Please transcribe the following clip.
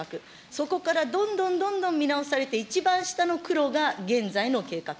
そこからどんどんどんどん見直されて、一番下の黒が現在の計画。